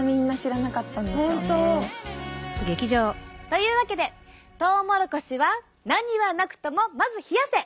というわけでトウモロコシは何はなくともまず冷やせ！